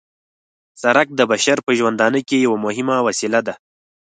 سرک د بشر په ژوندانه کې یوه مهمه وسیله ده